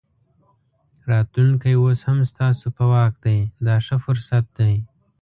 راتلونکی اوس هم ستاسو په واک دی دا ښه فرصت دی.